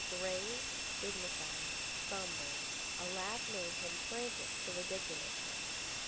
Grave, dignified, sombre, a laugh made him frantic to ridiculousness.